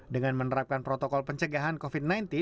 dengan menerapkan protokol pencegahan covid sembilan belas